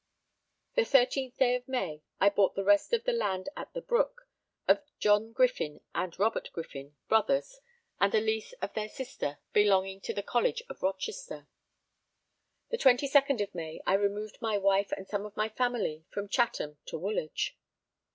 The 13th day of May, I bought the rest of the land at the Brook, of John Griffin and Robert Griffin, brothers, and a lease of their sister, belonging to the College of Rochester. The 22nd of May, I removed my wife and some of my family from Chatham to Woolwich.